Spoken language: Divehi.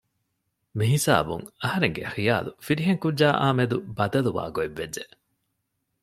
މިހިސާބުން އަހަރެންގެ ޚިޔާލު ފިރިހެންކުއްޖާއާ މެދު ބަދަލުވާ ގޮތްވެއްޖެ